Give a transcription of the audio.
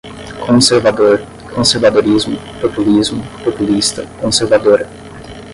Conservador, conservadorismo, populismo, populista, conservadora